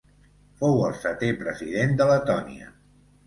Fou el setè President de Letònia.